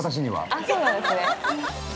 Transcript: ◆ああ、そうなんですね。